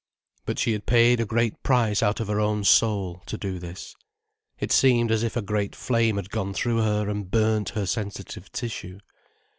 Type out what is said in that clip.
But she had paid a great price out of her own soul, to do this. It seemed as if a great flame had gone through her and burnt her sensitive tissue.